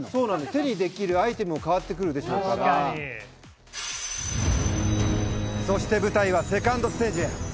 手にできるアイテムも変わっそして舞台はセカンドステージへ。